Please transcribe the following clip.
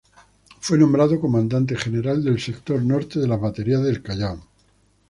Fue nombrado comandante general del sector norte de las baterías del Callao.